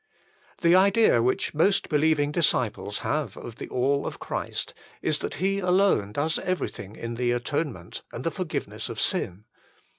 The idea which most believing disciples have of the All of Christ is that He alone does everything in the atonement and the forgiveness of sin.